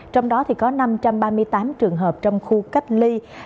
trong đó có năm trăm ba mươi tám trường hợp trong khu cách ly